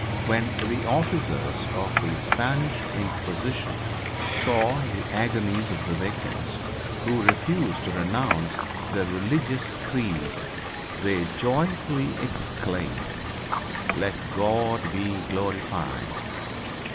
When the officers of the Spanish Inquisition saw the agonies of the victims who refused to renounce their religious creeds they joyfully exclaimed, "Let God be glorified."